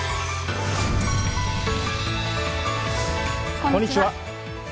こんにちは。